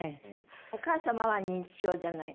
お母様は認知症じゃないの？